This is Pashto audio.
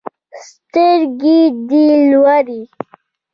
سترګي دي لوړی